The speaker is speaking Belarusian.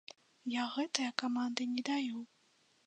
Я гэтыя каманды не даю.